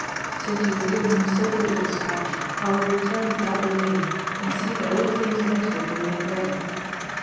Since you have given me so good a dispatch I will return without delay, and see that all things needful be made ready.